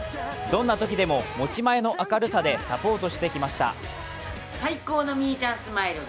どんなときでも持ち前の明るさでサポートしてきました。